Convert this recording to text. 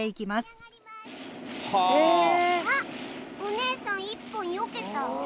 あっおねえさん１本よけた。